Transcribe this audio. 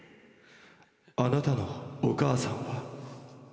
「あなたのお母さんは」。